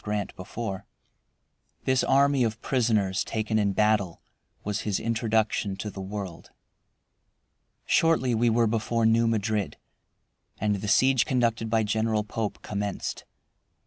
Grant before. This army of prisoners taken in battle was his introduction to the world. Shortly we were before New Madrid, and the siege conducted by General Pope commenced.